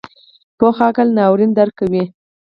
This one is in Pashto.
پوخ عقل ناورین درکوي